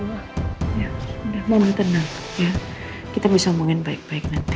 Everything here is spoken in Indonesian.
ya udah mama tenang ya kita bisa omongin baik baik nanti